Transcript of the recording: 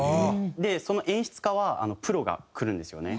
その演出家はプロが来るんですよね。